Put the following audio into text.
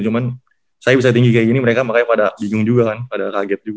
cuman saya bisa tinggi kayak gini mereka makanya pada bingung juga kan pada kaget juga